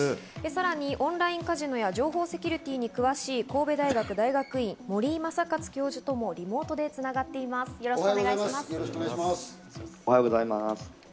さらにオンラインカジノや情報セキュリティーに詳しい神戸大学大学院、森井昌克教授ともリモートで繋がっていまおはようございます。